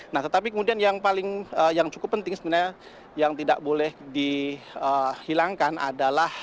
nah tetapi kemudian yang paling yang cukup penting sebenarnya yang tidak boleh dihilangkan adalah